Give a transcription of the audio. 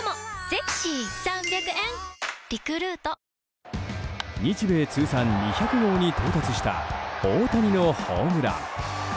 ニトリ日米通算２００号に到達した大谷のホームラン。